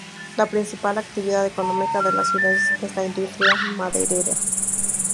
La principal actividad económica de la ciudad es la industria maderera.